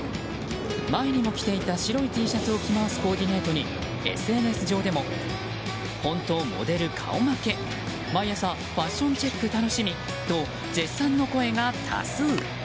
前にも来ていた白いＴシャツを着回すコーディネートにＳＮＳ上でも、本当モデル顔負け毎朝ファッションチェック楽しみと絶賛の声が多数。